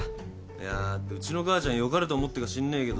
いやうちの母ちゃんよかれと思ってかしんねえけどさ